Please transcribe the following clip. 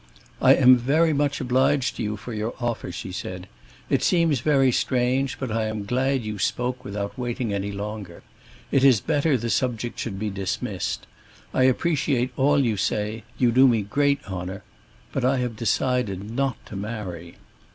"I am very much obliged to you for your offer," she said. "It seems very strange, but I am glad you spoke without waiting any longer. It is better the subject should be dismissed. I appreciate all you say; you do me great honor. But I have decided not to marry."